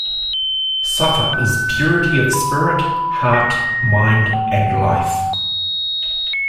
Safa is purity of spirit, heart, mind, and life.